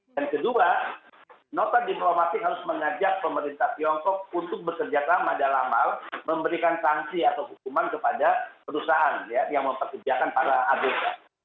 dan kedua nota diplomasi harus mengajak pemerintah tiongkok untuk bekerja sama dalam hal memberikan sanksi atau hukuman kepada perusahaan yang memperkerjakan para adiknya